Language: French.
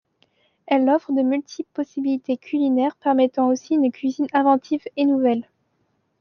Elle offre de multiples possibilités culinaires, permettant aussi une cuisine inventive et nouvelle.